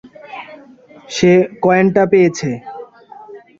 সে কয়েনটা পেয়েছে!